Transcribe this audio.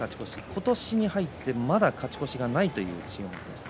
今年に入ってまだ勝ち越しがないという状況です。